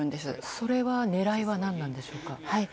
それは狙いは何なんでしょうか。